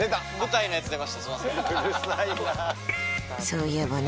そういえばね